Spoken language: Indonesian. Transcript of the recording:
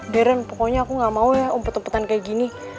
deren pokoknya aku gak mau ya umpet umpetan kayak gini